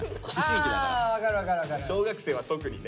小学生は特にね。